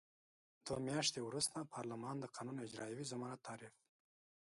دوه میاشتې وروسته پارلمان د قانون اجرايوي ضمانت تعریف.